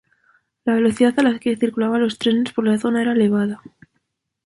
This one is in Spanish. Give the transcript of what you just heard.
La velocidad a la que circulaban los trenes por la zona era elevada.